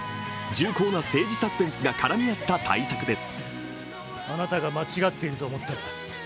重厚な政治サスペンスが絡み合った大作です。